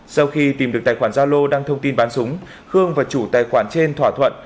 sau khi tìm được tài khoản gia lô đăng thông tin bán súng khương và chủ tài khoản trên thỏa thuận